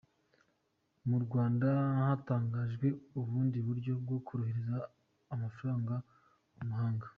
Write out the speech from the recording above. Murwanda hatangajwe ubundi buryo bwo kohereza amafaranga mumahanga